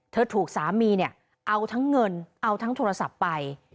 ถูกสามีเนี่ยเอาทั้งเงินเอาทั้งโทรศัพท์ไป